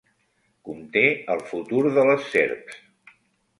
Conté el futur de les serps.